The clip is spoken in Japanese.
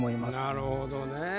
なるほどね。